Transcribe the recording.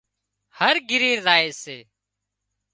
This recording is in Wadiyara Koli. هر گھِري زائي سي